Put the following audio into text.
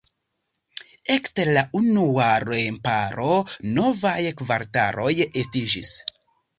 Ekster la unua remparo novaj kvartaloj estiĝis.